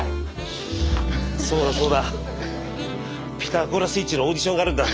そうだそうだ「ピタゴラスイッチ」のオーディションがあるんだ。